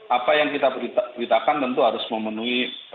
apa yang kita beritakan tentu harus memenuhi